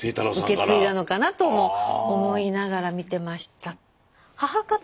受け継いだのかなとも思いながら見てましたけど。